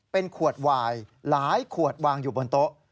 เป็นขวดวายหลายขวดวางอยู่บนโต๊ะ